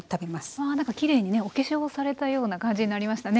わきれいにねお化粧をされたような感じになりましたね。